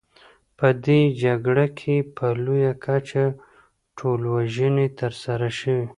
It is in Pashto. په دې جګړه کې په لویه کچه ټولوژنې ترسره شوې.